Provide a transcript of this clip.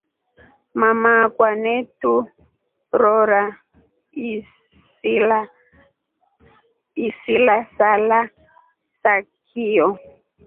Mama kwaa neturora isila sala za kio.